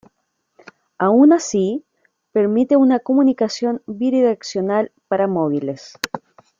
Aun así, permite una comunicación bidireccional para móviles.